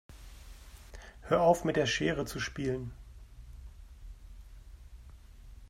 Hör auf mit der Schere zu spielen.